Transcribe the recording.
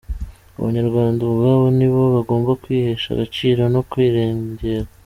Abanyarwanda ubwabo ni bo bagomba kwihesha agaciro no kwirengera.